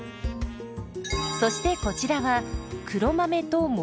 そしてこちらは黒豆ともち。